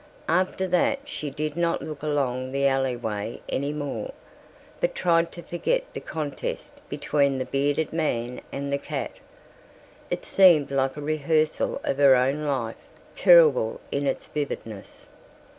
After that she did not look along the alleyway any more, but tried to forget the contest between the bearded man and the cat. It seemed like a rehearsal of her own life, terrible in its vividness.